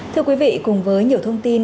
thưa quý vị cùng với nhiều thông tin